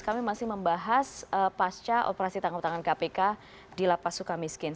kami masih membahas pasca operasi tangkap tangan kpk di lapas suka miskin